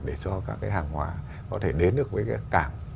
để cho các cái hàng hóa có thể đến được với cái cảng